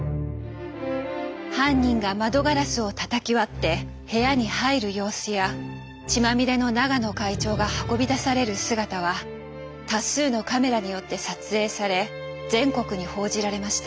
犯人が窓ガラスをたたき割って部屋に入る様子や血まみれの永野会長が運び出される姿は多数のカメラによって撮影され全国に報じられました。